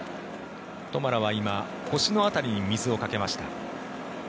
トマラは今腰の辺りに水をかけました。